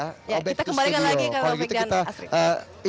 kita kembalikan lagi ke mbak yeni